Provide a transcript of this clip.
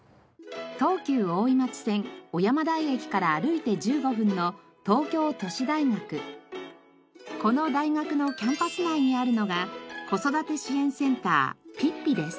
東急大井町線尾山台駅から歩いて１５分のこの大学のキャンパス内にあるのが子育て支援センター「ぴっぴ」です。